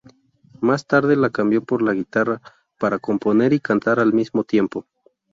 Más tarde la cambió por la guitarra para componer y cantar al mismo tiempo.